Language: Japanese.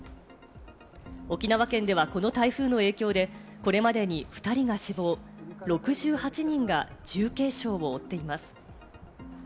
沖縄県ではこの台風の影響でこれまでに２人が死亡、６８人が重軽傷を負っています。